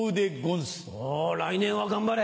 お来年は頑張れ。